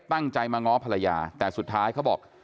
ตั้งใจมาง้อภรรยาแต่สุดท้ายเขาบอก